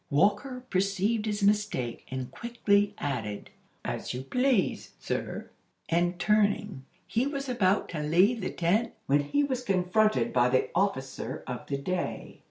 Walker perceived his mistake, and quickly added: "As you please, sir." And turning, he was about to leave the tent, when he was confronted by the "officer of the day."